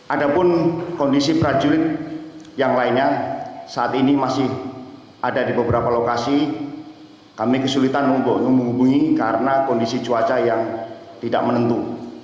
ada pun kondisi prajurit yang lainnya saat ini masih ada di beberapa lokasi kami kesulitan untuk menghubungi karena kondisi cuaca yang tidak menentu